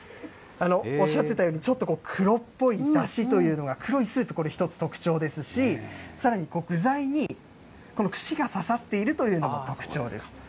おっしゃっていたように、ちょっと黒っぽいだしというのが、黒いスープ、これ１つ特徴ですし、さらに具材にこの串が刺さっているというのも特徴です。